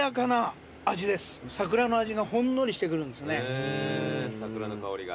へぇー桜の香りが。